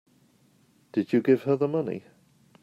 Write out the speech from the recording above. Did you give her the money?